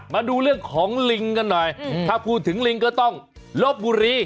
มาดูเรื่องของลิงกันหน่อยถ้าพูดถึงลิงก็ต้องลบบุรี